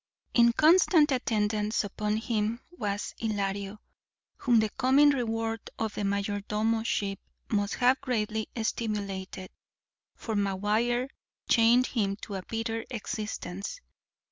In constant attendance upon him was Ylario, whom the coming reward of the _mayordomo_ship must have greatly stimulated, for McGuire chained him to a bitter existence.